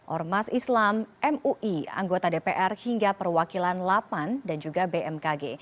ormas islam mui anggota dpr hingga perwakilan lapan dan juga bmkg